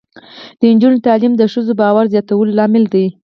د نجونو تعلیم د ښځو باور زیاتولو لامل دی.